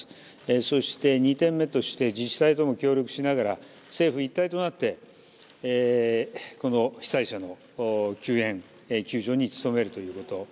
そして、２点目として自治体とも協力しながら政府一体となって被災者の救援・救助に努めるということ。